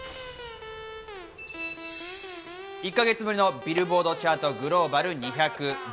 １か月ぶりのビルボードチャートグローバル２００です。